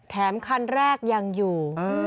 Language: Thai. คันแรกยังอยู่